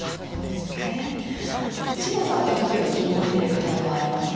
詩乃さんが特に気になってる課題はありますか？